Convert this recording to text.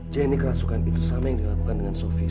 jadi kerasukan itu sama yang dilakukan dengan sophie